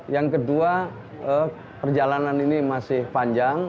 yang kedua perjalanan ini masih panjang